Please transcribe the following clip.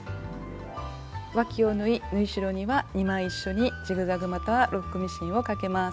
わきを縫い縫い代には２枚一緒にジグザグまたはロックミシンをかけます。